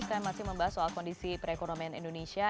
saya masih membahas soal kondisi perekonomian indonesia